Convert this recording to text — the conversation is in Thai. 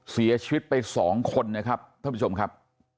เสียชีวิตไป๒คนนะครับท่านผู้ชมครับ